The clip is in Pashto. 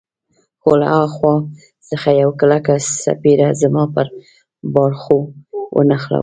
خو له ها خوا څخه یوه کلکه څپېړه زما پر باړخو ونښتله.